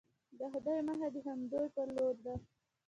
د خدای مخه د همدوی په لورې ده.